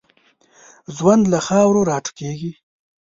ژوند له خاورو را ټوکېږي.